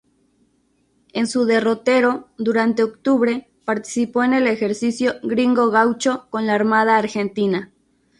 En su derrotero, durante octubre, participó en el ejercicio Gringo-Gaucho con la Armada Argentina.